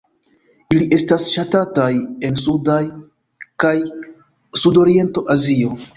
Ili estas ŝatataj en suda kaj sudorienta Azio.